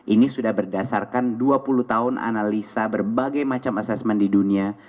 ini sudah berdasarkan dua puluh tahun analisa berbagai macam assessment di dunia